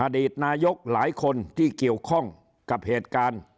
อดีตนายกหลายคนที่เกี่ยวข้องกับเหตุการณ์